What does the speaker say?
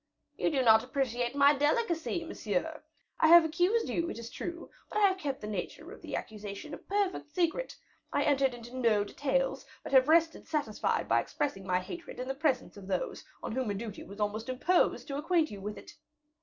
"You do not appreciate my delicacy, monsieur. I have accused you, it is true; but I have kept the nature of the accusation a perfect secret. I entered into no details; but have rested satisfied by expressing my hatred in the presence of those on whom a duty was almost imposed to acquaint you with it.